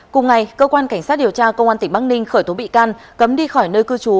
cùng ngày cơ quan cảnh sát điều tra công an tỉnh bắc ninh khởi tố bị can cấm đi khỏi nơi cư trú